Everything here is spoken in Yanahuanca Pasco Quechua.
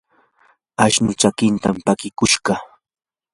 ashnuu chankantam pakikushqa.